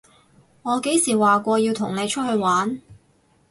我幾時話過要同你出去玩？